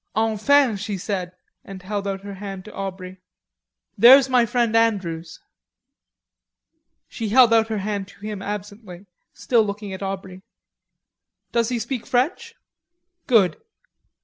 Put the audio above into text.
"Enfin!" she said, and held out her hand to Aubrey. "There's my friend Andrews." She held out her hand to him absently, still looking at Aubrey. "Does he speak French?... Good....